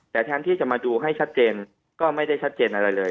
แต่แทนที่จะมาดูให้ชัดเจนก็ไม่ได้ชัดเจนอะไรเลย